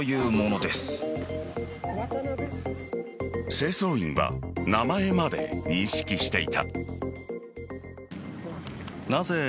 清掃員は名前まで認識していた。